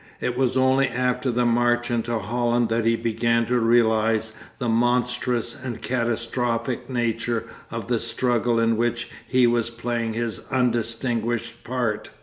It was only after the march into Holland that he began to realise the monstrous and catastrophic nature of the struggle in which he was playing his undistinguished part.